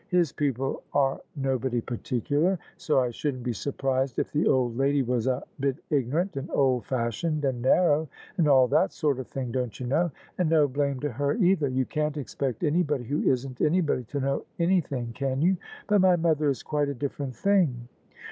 His people are nobody particular; so I shouldn't be surprised if the old lady was a bit ignorant and old fashioned and nar row, and all that sort of thing, don't you know? And no blame to her, either! You can't expect anybody who isn't anybody to know anything; can you? But my mother is quite a different thing!